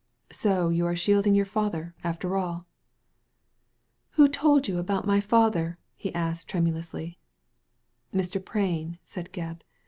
" So you are shielding your father, after all ?'* "Who told you about my father?" he asked tremulously, "Mr. Prain," said Gebb.